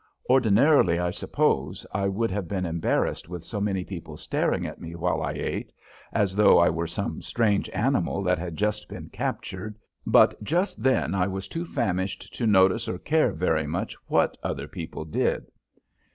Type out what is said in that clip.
Ordinarily, I suppose, I would have been embarrassed with so many people staring at me while I ate, as though I were some strange animal that had just been captured, but just then I was too famished to notice or care very much what other people did.